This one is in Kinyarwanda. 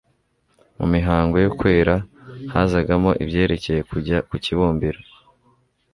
Mu mihango yo kwera hazagamo ibyerekeye kujya ku kibumbiro,